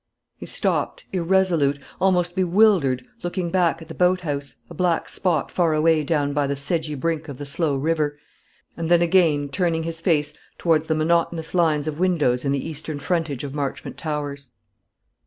He stopped, irresolute, almost bewildered, looking back at the boat house, a black spot far away down by the sedgy brink of the slow river, and then again turning his face towards the monotonous lines of windows in the eastern frontage of Marchmont Towers.